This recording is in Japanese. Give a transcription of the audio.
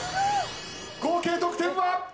合計得点は？